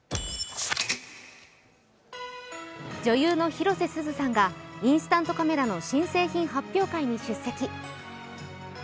女優の広瀬すずさんがインスタントカメラの新商品発表会に出席。